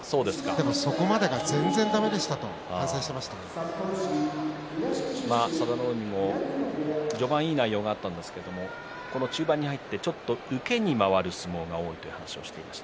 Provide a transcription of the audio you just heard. でもそこまでが全然だめでしたと佐田の海も序盤いい内容があったんですけど中盤に入ってちょっと受けに回る相撲が多いという話をしてました。